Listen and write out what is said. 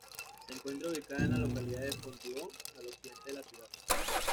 Se encuentra ubicada en la localidad de Fontibón, al occidente de la ciudad.